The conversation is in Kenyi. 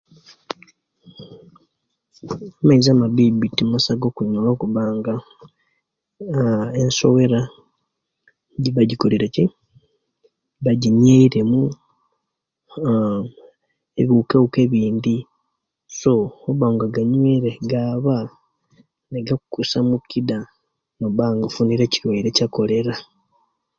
Amaizi amabibi timasa gakunywa olwokuba nga ensowera giba gikolere ki giba ginyeremu aahm nebiwukawuka ebindi so owobanga oganywiire gaaba nigakukosa mukida nigaleta bulwaire kya'kolera.